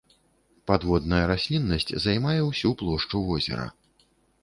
Падводная расліннасць займае ўсю плошчу возера.